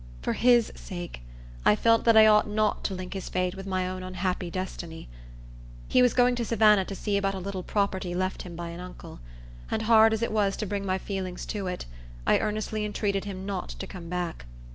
For his sake, I felt that I ought not to link his fate with my own unhappy destiny. He was going to Savannah to see about a little property left him by an uncle; and hard as it was to bring my feelings to it, I earnestly entreated him not to come back.